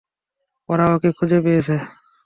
ওরা ওকে খুঁজে পেয়েছে।